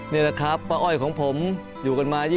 นี่แหละครับป้าอ้อยของผมอยู่กันมา